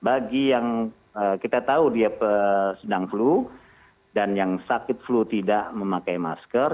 bagi yang kita tahu dia sedang flu dan yang sakit flu tidak memakai masker